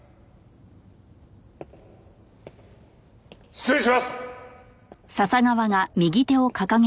失礼します！